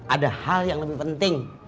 ada hal yang lebih penting